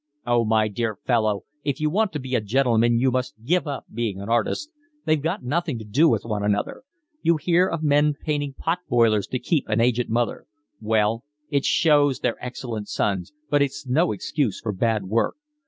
"Oh, my dear fellow, if you want to be a gentleman you must give up being an artist. They've got nothing to do with one another. You hear of men painting pot boilers to keep an aged mother—well, it shows they're excellent sons, but it's no excuse for bad work.